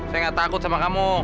saya gak takut sama kamu